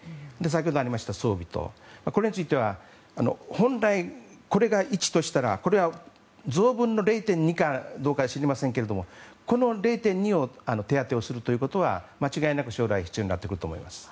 先ほどありました装備とこれについては本来、これが１としたら０．２かどうか知りませんがこの０．２を手当てをするということが間違いなく将来必要になってくると思います。